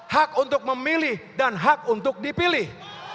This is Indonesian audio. hak untuk memilih dan hak untuk dipilih